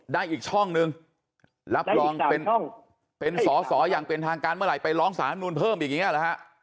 ได้อีกช่องนึงรับรองเป็นสอสออย่างเป็นทางการเมื่อไหร่ไปร้องสารธรรมนูลเพิ่มอีกอย่างนี้เหรอฮะ